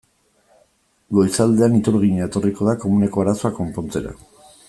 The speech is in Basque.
Goizaldean iturgina etorriko da komuneko arazoa konpontzera.